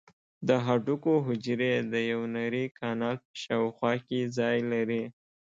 د هډوکو حجرې د یو نري کانال په شاوخوا کې ځای لري.